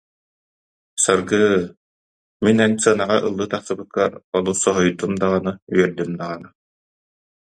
Саргыы, мин эн сценаҕа ыллыы тахсыбыккар олус соһуйдум даҕаны, үөрдүм даҕаны